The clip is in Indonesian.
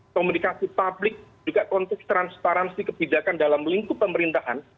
komunikasi publik juga konteks transparansi kebijakan dalam lingkup pemerintahan